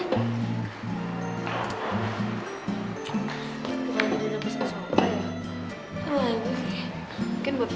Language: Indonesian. gue lagi udah nempes besok